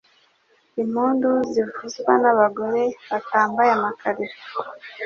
Impund zivuzwa n' abagore batambaye amakariso